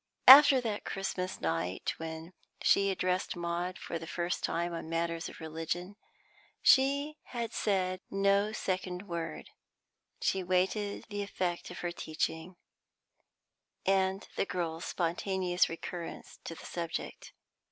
After that Christmas night when she addressed Maud for the first time on matters of religion, she had said no second word; she waited the effect of her teaching, and the girl's spontaneous recurrence to the subject.